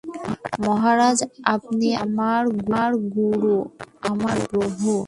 মহারাজ আপনি আমার গুরু, আমার প্রভু।